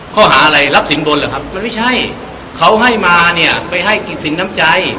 ข้อหาอะไรรับสินบนหรือครับมันไม่ใช่เขาให้มาเนี่ยไปให้กิจสินน้ำใจ